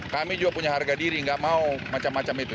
kami juga punya harga diri nggak mau macam macam itu